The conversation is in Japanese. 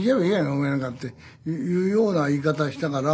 お前なんかっていうような言い方してたから。